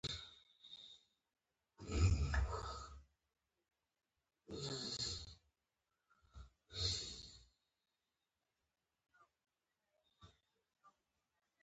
انار په پېخر وه.